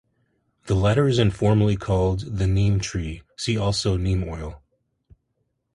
The latter is informally called the Neem tree; see also Neem oil.